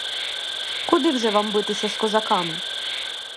Куди вже вам битись з козаками!